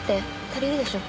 足りるでしょ。